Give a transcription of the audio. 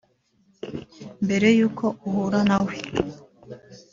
Mbere yuko uhura nawe